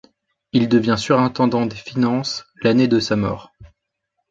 Il devint Surintendant des finances l’année de sa mort.